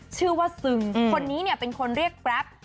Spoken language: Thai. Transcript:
ชื่อว่าซึงคนนี้เนี่ยเป็นคนเรียกแกรป